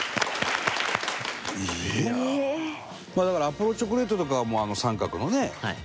だからアポロチョコレートとかは三角のね。